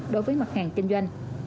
đối với mặt hàng kinh doanh